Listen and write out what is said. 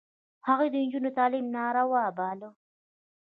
هغوی د نجونو تعلیم ناروا باله.